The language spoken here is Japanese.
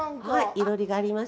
いろりがあります。